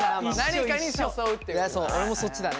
俺もそっちだね。